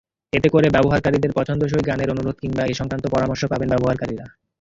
এতে করে ব্যবহারকারীদের পছন্দসই গানের অনুরোধ কিংবা এ-সংক্রান্ত পরামর্শ পাবেন ব্যবহারকারীরা।